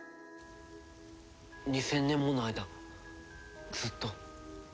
２０００年もの間ずっと？